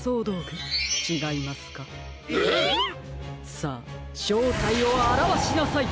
さあしょうたいをあらわしなさい！